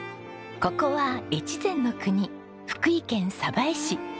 ここは越前の国福井県江市。